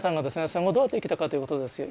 戦後どうやって生きたかということですよ。